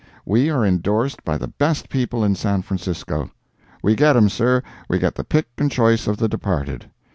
We are endorsed by the best people in San Francisco. We get 'em, sir, we get the pick and choice of the departed.